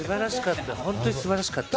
本当にすばらしかった。